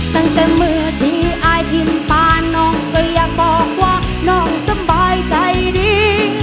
ตั้งแต่เมื่อที่อายพิมพ์ปานน้องก็อยากบอกว่าน้องสบายใจดี